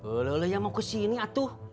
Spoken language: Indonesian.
udah udah yang mau kesini atuh